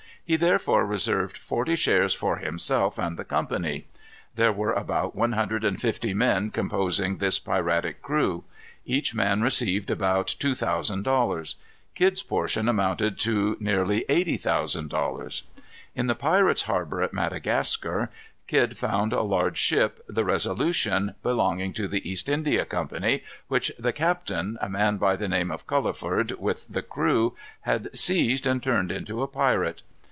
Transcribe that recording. He therefore reserved forty shares for himself and the company. There were about one hundred and fifty men composing this piratic crew. Each man received about two thousand dollars. Kidd's portion amounted to nearly eighty thousand dollars. In the pirates' harbor at Madagascar, Kidd found a large ship, the Resolution, belonging to the East India Company, which the captain, a man by the name of Culliford, with the crew, had seized and turned into a pirate.